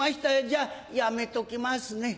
じゃあやめときますね。